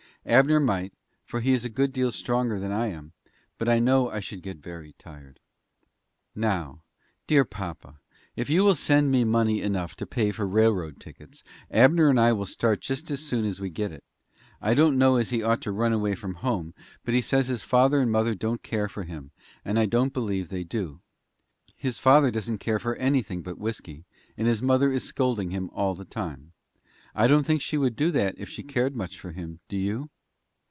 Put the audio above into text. Abner might, for he is a good deal stronger than I am, but I know I should get very tired. "Now, dear papa, if you will send me money enough to pay for railroad tickets, Abner and I will start just as soon as we get it. I don't know as he ought to run away from home, but he says his father and mother don't care for him, and I don't believe they do. His father doesn't care for anything but whisky, and his mother is scolding him all the time. I don't think she would do that if she cared much for him, do you?